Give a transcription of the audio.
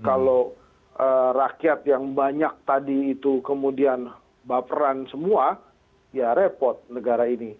kalau rakyat yang banyak tadi itu kemudian baperan semua ya repot negara ini